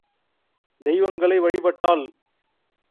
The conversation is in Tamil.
தெய்வங்களை வழி பட்டாள்.